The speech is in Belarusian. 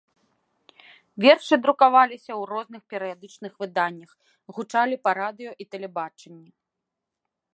Вершы друкаваліся ў розных перыядычных выданнях, гучалі па радыё і тэлебачанні.